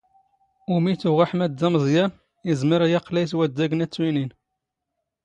ⵓⵎⵉ ⵜⵓⵖⴰ ⵃⵎⴰⴷ ⴷ ⴰⵎⵥⵥⵢⴰⵏ, ⵉⵣⵎⵔ ⴰⴷ ⵢⴰⵇⵇⵍⴰⵢ ⵙ ⵡⴰⴷⴷⴰⴳⵏ ⴰⵜⵜⵓⵢⵏⵉⵏ.